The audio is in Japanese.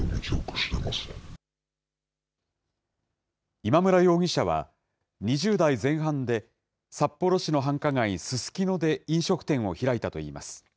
今村容疑者は、２０代前半で札幌市の繁華街、ススキノで飲食店を開いたといいます。